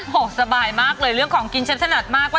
สบายมากเลยเรื่องของกินฉันถนัดมาก